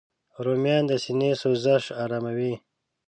رومیان د سینې سوزش آراموي